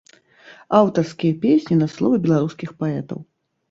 Аўтарскія песні на словы беларускіх паэтаў.